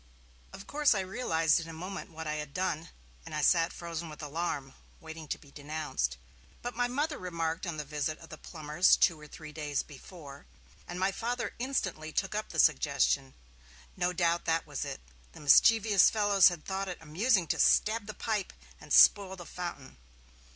Of course I realized in a moment what I had done, and I sat frozen with alarm, waiting to be denounced. But my Mother remarked on the visit of the plumbers two or three days before, and my Father instantly took up the suggestion. No doubt that was it; the mischievous fellows had thought it amusing to stab the pipe and spoil the fountain.